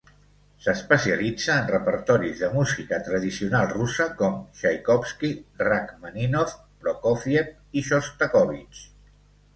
S'especialitza en repertoris de música tradicional russa com Txaikovski, Rakhmàninov, Prokófiev i Xostakóvitx.